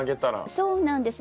そうなんです。